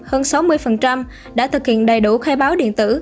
hơn sáu mươi đã thực hiện đầy đủ khai báo điện tử